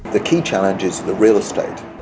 tòa nhà đủ tiêu chuẩn cho các thương hiệu xa xỉ